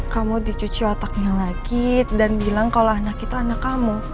kamu dicuci otaknya lagi dan bilang kalau anak itu anak kamu